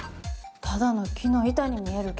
ただの木の板に見えるけど。